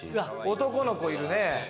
男の子いるね。